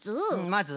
まず？